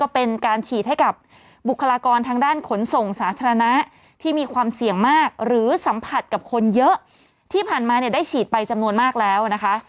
เพราะที่ผ่านมาได้ฉีดไปจำนวนมากแล้วนะคะ